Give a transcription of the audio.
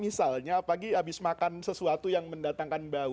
misalnya pagi habis makan sesuatu yang mendatangkan bau